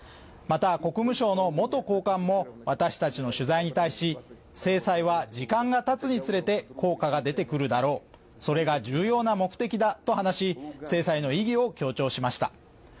また、国務省の元高官も私たちの取材に対し、制裁は時間がたつにつれて効果が出てくるだろう、それが重要な目的だと話し制裁の意義を強調しました。